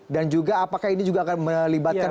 dan juga apakah ini juga akan melibatkan